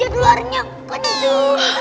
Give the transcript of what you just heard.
ya keluarnya penuh